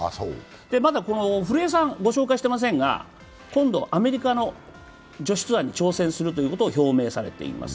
まだ古江さん、御紹介していませんが今度、アメリカの女子ツアーに挑戦することを表明されています。